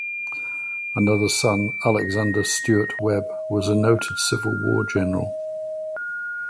Another son, Alexander Stewart Webb, was a noted Civil War general.